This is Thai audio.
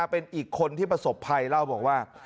เป็นอีกคนที่ประสบภัยเล่าบอกว่า